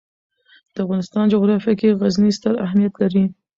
د افغانستان جغرافیه کې غزني ستر اهمیت لري.